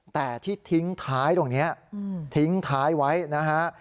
แต่ที่ทิ้งท้ายตรงนี้ทิ้งท้ายไว้นะฮะ